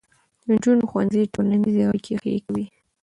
د نجونو ښوونځي ټولنیزې اړیکې ښې کوي.